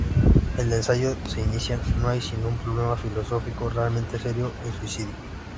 El ensayo se inicia: "No hay sino un problema filosófico realmente serio: el suicidio".